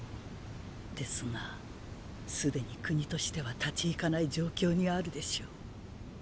ですが既に国としては立ち行かない状況にあるでしょう。